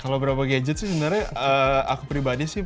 kalau berapa gadget sih sebenarnya aku pribadi sih